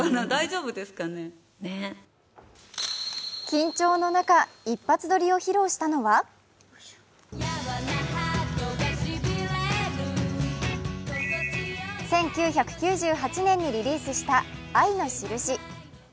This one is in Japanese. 緊張の中、一発撮りを披露したのは１９９８年にリリースした「愛のしるし」。